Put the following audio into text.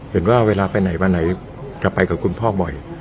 เห็นว่าเวลาไปไหนจะไปกับคุณพ่อบ่อย